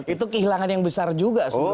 itu kehilangan yang besar juga sebenarnya